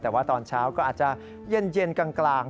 แต่ว่าตอนเช้าก็อาจจะเย็นกลาง